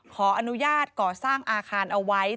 ขออนุญาตก่อสร้างอาคารเอาไว้